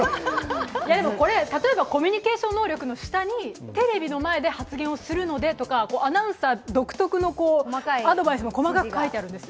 でもこれ、例えばコミュニケーション能力の下に、テレビの前で発言をするのでとか、アナウンサー独特のアドバイスも細かく書いてあるんですよ。